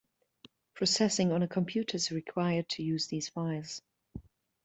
Processing on a computer is required to use these files.